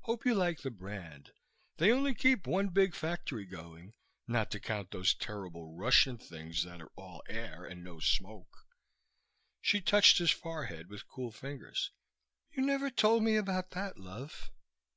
Hope you like the brand. They only keep one big factory going, not to count those terrible Russian things that're all air and no smoke." She touched his forehead with cool fingers. "You never told me about that, love."